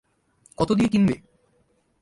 কত দিয়ে কিনবে?